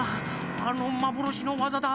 あのまぼろしのわざだ。